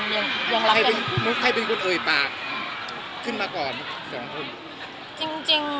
ยังรักกันมุกใครเป็นคนเอ่ยปากขึ้นมาก่อน